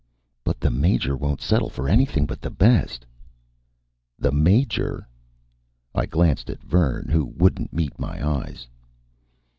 "But the Major won't settle for anything but the best!" "The Major?" I glanced at Vern, who wouldn't meet my eyes.